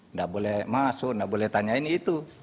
nggak boleh masuk tidak boleh tanyain itu